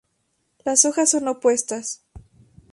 Las hojas son opuestas.